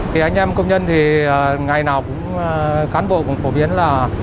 thì anh em công nhân thì ngày nào cũng cán bộ cũng phổ biến là